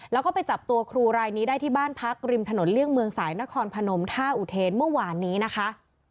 แล้วก็ไปจับตัวครูรายนี้ได้ที่บ้านพักริมถนนเลี่ยงเมืองสายนครพนมท่าอุเทนเมื่อวานนี้นะคะ